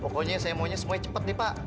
pokoknya saya maunya semuanya cepat nih pak